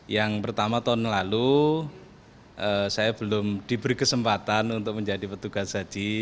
yang pertama tahun lalu saya belum diberi kesempatan untuk menjadi petugas haji